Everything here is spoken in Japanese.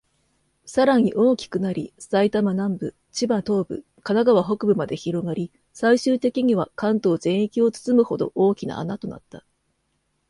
さらに大きくなり、埼玉南部、千葉東部、神奈川北部まで広がり、最終的には関東全域を包むほど、大きな穴となった。